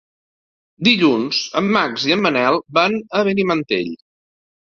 Dilluns en Max i en Manel van a Benimantell.